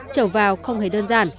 chở vào không hề đơn giản